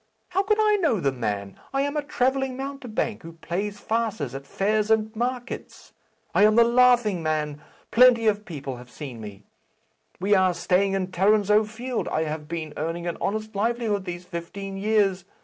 How could I know the man? I am a travelling mountebank, who plays farces at fairs and markets. I am the Laughing Man. Plenty of people have been to see me. We are staying in Tarrinzeau Field. I have been earning an honest livelihood these fifteen years.